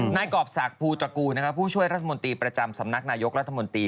กรอบศักดิ์ภูตระกูลผู้ช่วยรัฐมนตรีประจำสำนักนายกรัฐมนตรี